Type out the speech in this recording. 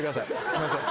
すいません。